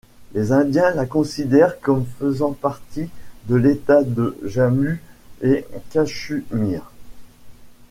Les Indiens la considèrent comme faisant partie de l'État de Jammu-et-Cachemire.